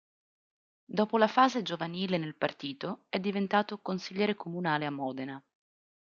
Dopo la fase giovanile nel partito, è diventato consigliere comunale a Modena.